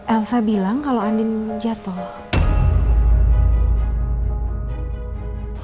elsa bilang kalau andin jatuh